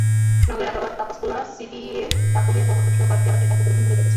নগরের আগ্রাবাদ, কাপাসগোলা, সিডিএ, বাকলিয়া, প্রবর্তকসহ কয়েকটি এলাকায় হাঁটু পরিমাণ পানি জমেছে।